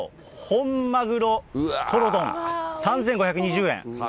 本マグロトロ丼３５２０円。